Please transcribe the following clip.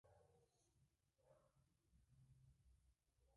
Todo ello orlado de borlas de flecos verdes y rojos.